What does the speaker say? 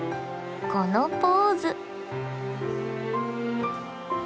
このポーズ。